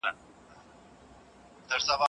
زه افتخار په پښتنو باندي كومه